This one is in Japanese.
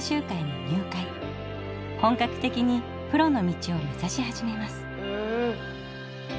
本格的にプロの道を目指し始めます。